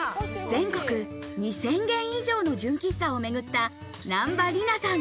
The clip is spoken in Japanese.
全国２０００軒以上の純喫茶をめぐった、難波里奈さん